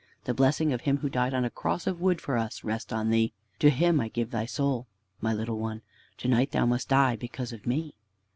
The blessing of Him who died on a cross of wood for us, rest on thee. To Him I give thy soul, my little one! To night thou must die because of me."